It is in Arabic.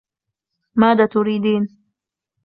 ماذا تريدين؟